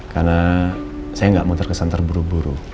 karena saya gak mau terkesan terburu buru